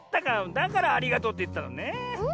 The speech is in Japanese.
だから「ありがとう」っていったのねえ。